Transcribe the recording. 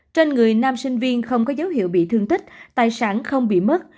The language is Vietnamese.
trên người nam sinh viên không có dấu hiệu bị thương tích tài sản không bị mất